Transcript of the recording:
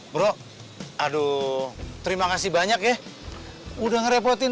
bro aduh terima kasih banyak ya udah ngerepotin